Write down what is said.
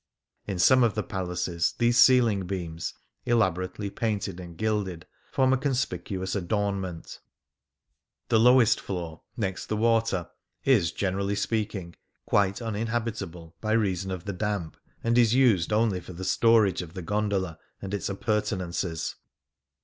In some of the palaces these ceiling beams, elaborately painted and gilded, form a con spicuous adornment. The lowest floor, next the water, is, generally speaking, quite unin habitable by reason of the damp, and is used 45 Things Seen in Venice only for storage of the gondola and its appur tenances.